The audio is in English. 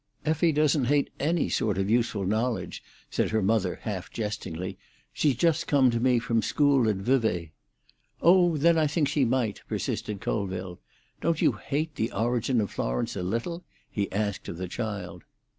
"Effie doesn't hate any sort of useful knowledge," said her mother half jestingly. "She's just come to me from school at Vevay." "Oh, then, I think she might," persisted Colville. "Don't you hate the origin of Florence a little?" he asked of the child.